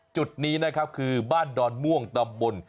จุดนี้นะครับคือบ้านดอนม่วงตำบล